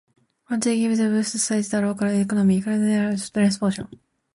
Construction gave a boost to the state and local economy, completion improved transportation.